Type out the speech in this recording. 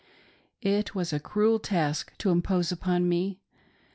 It was a cruel task to impose upon me.